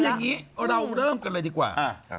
อย่างนี้เราเริ่มกันเลยดีกว่า